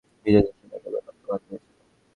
ভিজে যে সব একেবারে পান্তা ভাত হয়েছিস!